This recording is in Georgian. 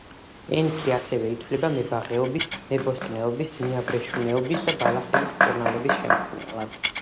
ენქი ასევე ითვლება მებაღეობის, მებოსტნეობის, მეაბრეშუმეობის და ბალახებით მკურნალობის შემქმნელად.